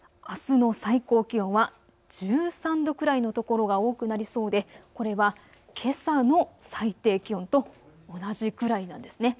あすの最高気温は１３度くらいの所が多くなりそうで、これはけさの最低気温と同じくらいなんです。